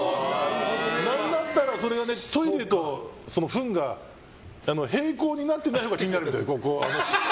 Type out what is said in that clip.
なんだったら、トイレとフンが平行になってないほうが気になるみたい。